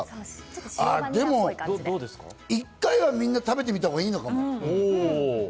でも一回はみんな食べてみたほうがいいのかも。